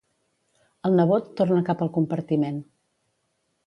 El nebot torna cap al compartiment.